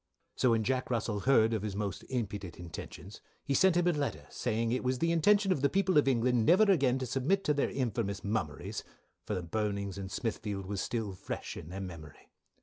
"So when Jack Russell heard of his most impudent intentions, he sent him a Letter saying it was the intention of the people of England never again to submit to their infamous mumerys for the burnings in Smithfield was still fresh in their memory.